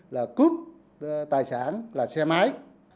là cướp tài sản là xe máy